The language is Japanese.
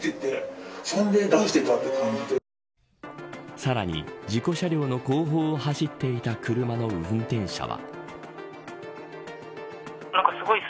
さらに事故車両の後方を走っていた車の運転者は。